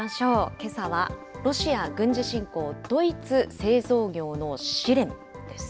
けさは、ロシア軍事侵攻、ドイツ製造業の試練です。